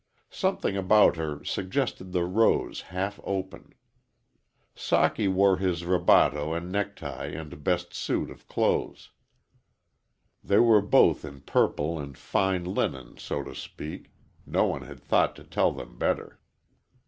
Something about her suggested the rose half open. Socky wore his rabato and necktie and best suit of clothes. They were both in purple and fine linen, so to speak no one had thought to tell them better.